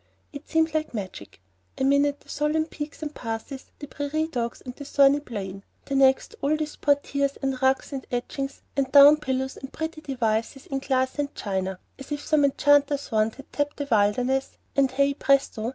It seemed like magic, one minute the solemn peaks and passes, the prairie dogs and the thorny plain, the next all these portières and rugs and etchings and down pillows and pretty devices in glass and china, as if some enchanter's wand had tapped the wilderness, and hey, presto!